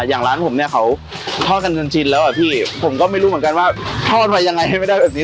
อย่างร้านผมเนี่ยเขาทอดกันจนชินแล้วอ่ะพี่ผมก็ไม่รู้เหมือนกันว่าทอดมายังไงให้ไม่ได้แบบนี้